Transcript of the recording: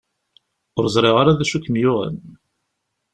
Ur ẓriɣ ara d acu i kem-yuɣen.